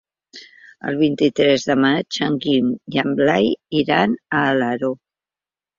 El vint-i-tres de maig en Guim i en Blai iran a Alaró.